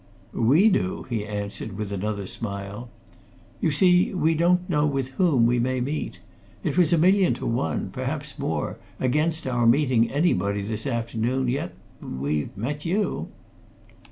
"We do!" he answered with another smile. "You see, we don't know with whom we may meet. It was a million to one perhaps more against our meeting anybody this afternoon, yet we've met you."